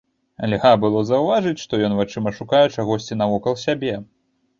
Льга было заўважыць, што ён вачыма шукае чагосьці навокал сябе.